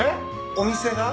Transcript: お店が？